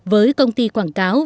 với công ty quảng cáo